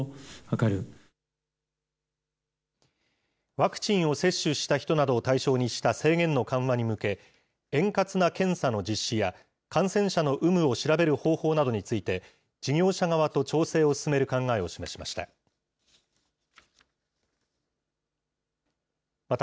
ワクチンを接種した人などを対象にした制限の緩和に向け、円滑な検査の実施や、感染者の有無を調べる方法などについて、事業者側と調整を進める考えを示しました。